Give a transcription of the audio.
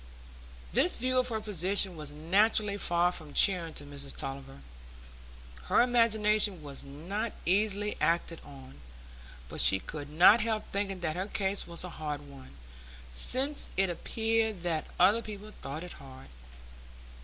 This view of her position was naturally far from cheering to Mrs Tulliver. Her imagination was not easily acted on, but she could not help thinking that her case was a hard one, since it appeared that other people thought it hard.